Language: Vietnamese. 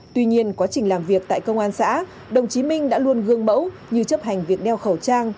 tuy nhiên quá trình làm việc tại công an xã đồng chí minh đã luôn gương mẫu như chấp hành việc đeo khẩu trang